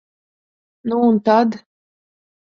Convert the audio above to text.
Nu un tad?